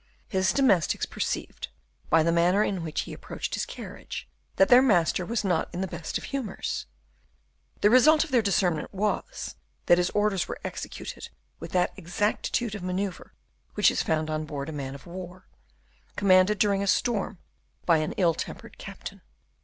His domestics perceived, by the manner in which he approached his carriage, that their master was not in the best of humors: the result of their discernment was, that his orders were executed with that exactitude of maneuver which is found on board a man of war, commanded during a storm by an ill tempered captain.